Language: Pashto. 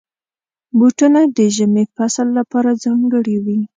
بوټونه د ژمي فصل لپاره ځانګړي وي.